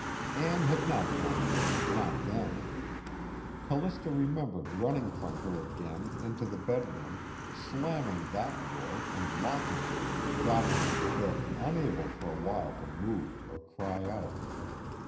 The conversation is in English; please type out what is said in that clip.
_" Ann had not gone away, not then. Callista remembered running from her again, into the bedroom, slamming that door and locking it, dropping on the bed unable for a while to move or cry out.